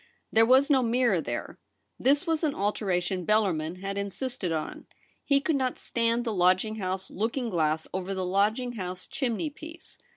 There was no mirror there ; this was an alteration Bellarmin had insisted on. He could not stand the lodging house looking glass over the lodging house chimneypiece.